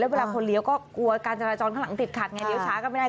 คือเวลาคนเหลวก็กลัวการจารยาจ่อนข้างหลังติดขัดไง